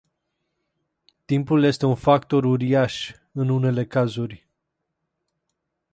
Timpul este un factor uriaș în unele cazuri.